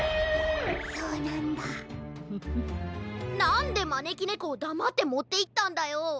なんでまねきねこをだまってもっていったんだよ。